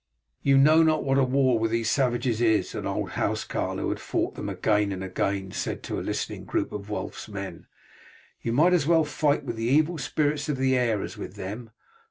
"You know not what a war with these savages is," an old housecarl who had fought them again and again said to a listening group of Wulf's men. "You might as well fight with the evil spirits of the air as with them.